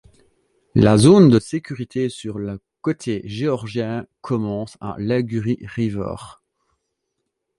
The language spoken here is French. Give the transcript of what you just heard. La zone de sécurité sur le côté géorgien commence à l'Inguri River.